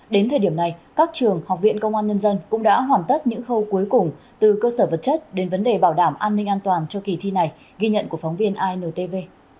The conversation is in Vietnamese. đến thời điểm này các trường học viện công an nhân dân cũng đã hoàn tất những khâu cuối cùng từ cơ sở vật chất đến vấn đề bảo đảm an ninh an toàn cho kỳ thi này ghi nhận của phóng viên intv